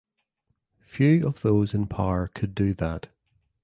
Few of those in power could do that.